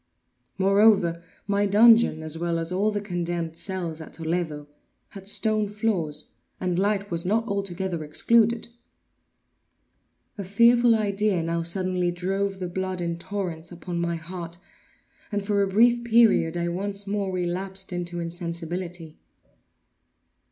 Moreover, my dungeon, as well as all the condemned cells at Toledo, had stone floors, and light was not altogether excluded. A fearful idea now suddenly drove the blood in torrents upon my heart, and for a brief period, I once more relapsed into insensibility.